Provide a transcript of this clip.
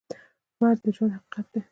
مرګ د ژوند حقیقت دی